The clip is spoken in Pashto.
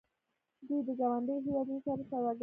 دوی له ګاونډیو هیوادونو سره سوداګري کوي.